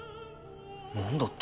何だって？